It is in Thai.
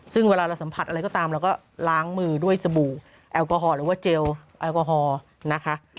ซึ่งเวลาเราสัมผัสอะไรก็ตามเราก็ล้างมือด้วยสบู่แอลกอฮอล์หรือว่าเจลแอลกอฮอล์นะคะ